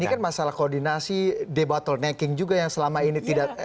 ini kan masalah koordinasi debatttlenecking juga yang selama ini tidak